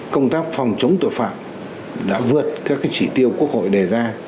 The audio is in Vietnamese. công tác phòng chống tội phạm đã vượt các chỉ tiêu quốc hội đề ra